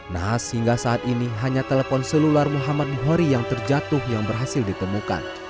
nahas hingga saat ini hanya telepon selular muhammad buhori yang terjatuh yang berhasil ditemukan